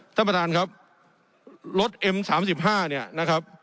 ท่านประธานครับรถเอ็มสามสิบห้าเนี่ยนะครับ